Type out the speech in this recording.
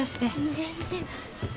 全然。